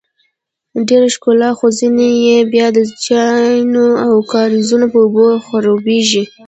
ډیره ښکلا خو ځینې یې بیا د چینو او کاریزونو په اوبو خړوبیږي.